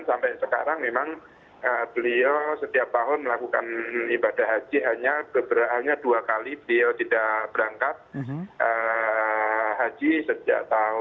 sembilan puluh sembilan sampai sekarang memang beliau setiap tahun melakukan ibadah haji hanya dua kali beliau tidak berangkat haji sejak tahun